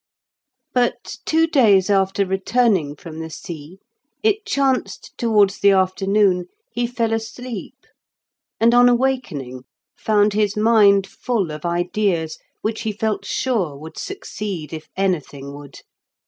But two days after returning from the sea it chanced towards the afternoon he fell asleep, and on awakening found his mind full of ideas which he felt sure would succeed if anything would.